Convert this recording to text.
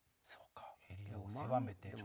エリアを狭めて。